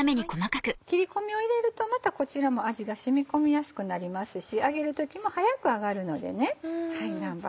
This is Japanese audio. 切り込みを入れるとまたこちらも味が染み込みやすくなりますし揚げる時も早く揚がるのでね南蛮